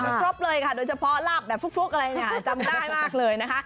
ครบเลยค่ะโดยเฉพาะลาบแบบฟุกอะไรเนี่ยจำได้มากเลยนะคะ